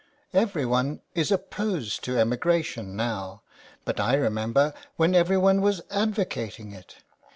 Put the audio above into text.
Everyone is opposed to emigra tion now, but I remember when everyone was advocating it.